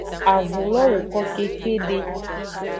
Avun lo woko kekede.